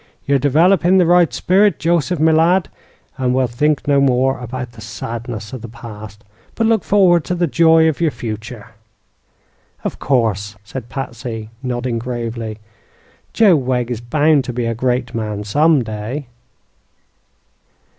"You're developing the right spirit, Joseph, me lad, and we'll think no more about the sadness of the past, but look forward to the joy of your future." "Of course," said Patsy, nodding gravely; "Joe Wegg is bound to be a great man, some day."